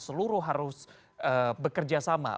seluruh harus bekerja sama